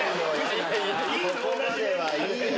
そこまではいいよ！